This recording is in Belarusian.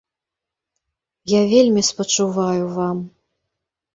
Я вельмі спачуваю вам.